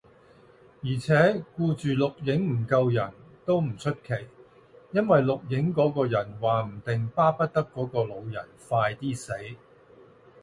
而且，顧住錄影唔救人，都唔出奇，因為錄影嗰個人話唔定巴不得嗰個老人快啲死